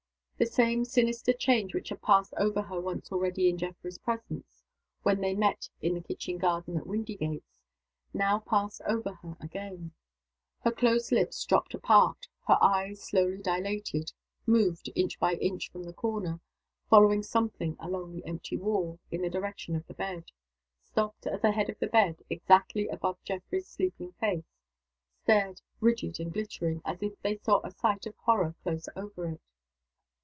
The same sinister change which had passed over her once already in Geoffrey's presence, when they met in the kitchen garden at Windygates, now passed over her again. Her closed lips dropped apart. Her eyes slowly dilated moved, inch by inch from the corner, following something along the empty wall, in the direction of the bed stopped at the head of the bed, exactly above Geoffrey's sleeping face stared, rigid and glittering, as if they saw a sight of horror close over it.